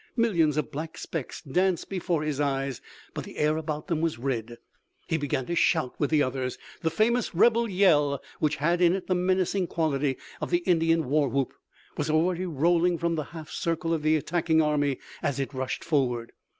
Millions of black specks danced before his eyes, but the air about them was red. He began to shout with the others. The famous rebel yell, which had in it the menacing quality of the Indian war whoop, was already rolling from the half circle of the attacking army, as it rushed forward.